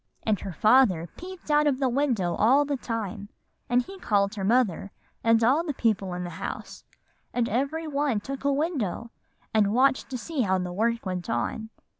And her father peeped out of the window all the time, and he called her mother, and all the people in the house; and every one took a window, and watched to see how the work went on."